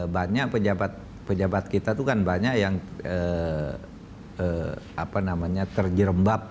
banyak pejabat pejabat kita tuh kan banyak yang terjirembab